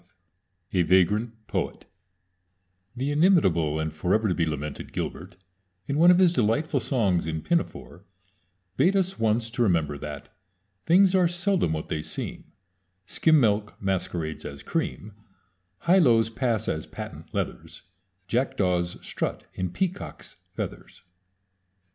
V A VAGRANT POET The inimitable and forever to be lamented Gilbert, in one of his delightful songs in Pinafore, bade us once to remember that Things are seldom what they seem Skim milk masquerades as cream; Highlows pass as patent leathers; Jackdaws strut in peacock's feathers.